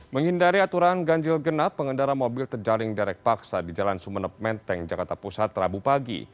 menghindari aturan ganjil genap pengendara mobil terjaring derek paksa di jalan sumeneb menteng jakarta pusat rabu pagi